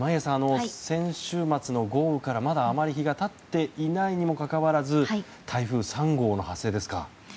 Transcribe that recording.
先週末の豪雨から、まだあまり日が経っていないにもかかわらず台風３号の発生ですか。